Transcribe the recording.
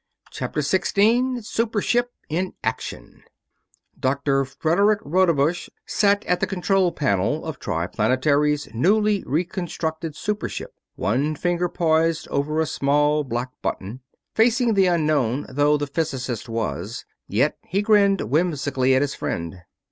CHAPTER 16 SUPER SHIP IN ACTION Doctor Frederick Rodebush sat at the control panel of Triplanetary's newly reconstructed super ship; one finger poised over a small black button. Facing the unknown though the physicist was, yet he grinned whimsically at his friend.